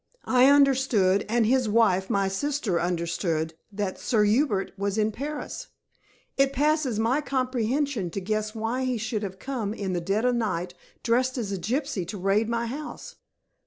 I understood, and his wife, my sister, understood, that Sir Hubert was in Paris. It passes my comprehension to guess why he should have come in the dead of night, dressed as a gypsy, to raid my house."